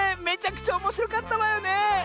めちゃくちゃおもしろかったわよねえ。